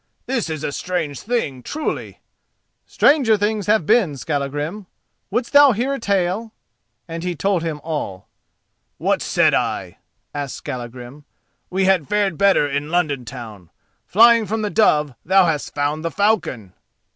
This is a strange thing, truly!" "Stranger things have been, Skallagrim. Wouldst thou hear a tale?" and he told him all. "What said I?" asked Skallagrim. "We had fared better in London town. Flying from the dove thou hast found the falcon."